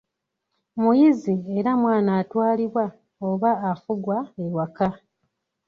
muyizi era mwana atwalibwa oba afugwa ewaka